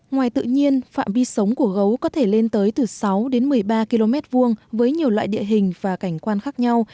ngoài tự nhiên phạm vi sống của gấu có thể lên tới từ sáu đến một mươi ba km hai với nhiều loại địa hình và cảnh quan khác nhau